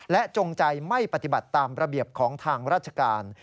จงใจไม่ปฏิบัติตามระเบียบของทางราชการ